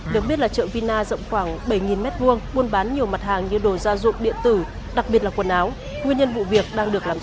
được biết là chợ vina rộng khoảng bảy m hai buôn bán nhiều mặt hàng như đồ gia dụng điện tử đặc biệt là quần áo nguyên nhân vụ việc đang được làm rõ